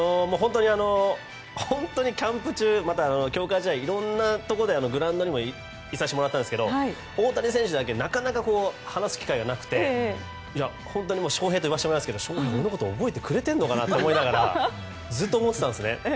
本当に、キャンプ中または強化試合いろいろなところでグラウンドにも行かせてもらったんですけど大谷選手だけなかなか話す機会がなくて翔平と呼ばせてもらいますけど翔平は俺のこと覚えてくれてるのかな？とずっと思ってたんですねえ。